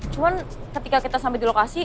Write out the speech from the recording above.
cuma ketika kita sampai di lokasi